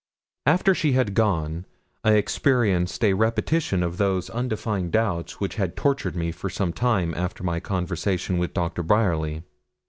After she had gone, I experienced a repetition of those undefined doubts which had tortured me for some time after my conversation with Dr. Bryerly.